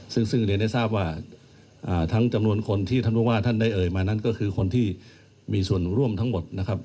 ซึ่งเรียนให้ทราบว่าทั้งจำนวนคนที่ท่านผู้ว่าท่านได้เอ่ยมานั้นก็คือคนที่มีส่วนร่วมทั้งหมดนะครับ